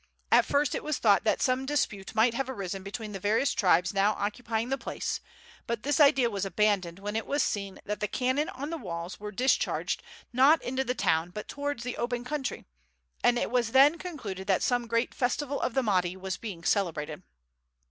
At first it was thought that some dispute might have arisen between the various tribes now occupying the place, but this idea was abandoned when it was seen that the cannon on the walls were discharged not into the town but towards the open country, and it was then concluded that some great festival of the Mahdi was being celebrated.